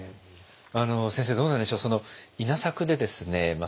先生どうなんでしょう稲作でですね